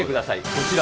こちら。